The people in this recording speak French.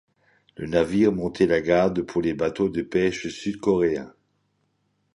Le navire montait la garde pour les bateaux de pêche sud-coréens.